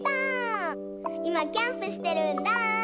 いまキャンプしてるんだ！